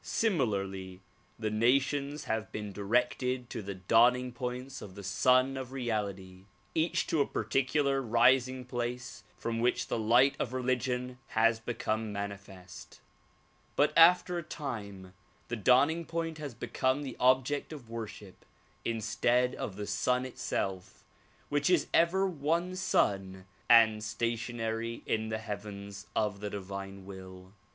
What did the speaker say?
Similarly the nations have been directed to the dawning points of the Sun of Reality, each to a particular rising place from which the light of religion has become manifest; but after a time the dawning point has become the object of worship instead of the Sun itself which is ever one Sun and stationary in the heavens of the divine will.